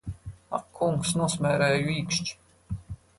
Ak kungs, nosmērēju īkšķi!